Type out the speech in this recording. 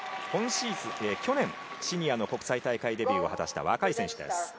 去年、シニアの国際大会デビューを果たした若い選手です。